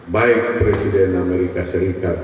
baik presiden amerika serikat